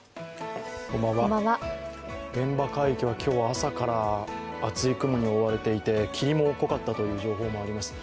現場海域は今日は朝から厚い雲に覆われていて霧も濃かったという情報もあります。